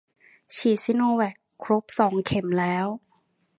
ฉีดวัคซีนซิโนแวคครบสองเข็มแล้ว